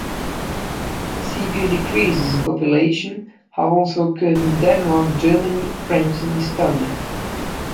Severe decreases in population have also occurred in Denmark, Germany, France, and Estonia.